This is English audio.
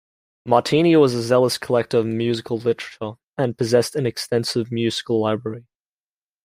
Martini was a zealous collector of musical literature, and possessed an extensive musical library.